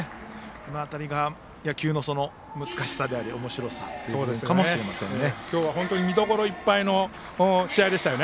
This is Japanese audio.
この辺りが野球の難しさでありおもしろさかもしれませんね。